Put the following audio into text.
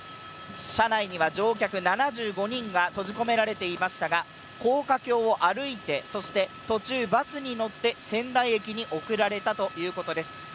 車内には乗客７５人が閉じ込められていましたが、高架橋を歩いて、途中バスに乗って仙台駅に送られたという状況です。